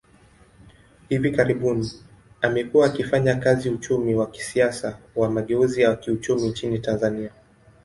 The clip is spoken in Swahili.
Hivi karibuni, amekuwa akifanya kazi uchumi wa kisiasa wa mageuzi ya kiuchumi nchini Tanzania.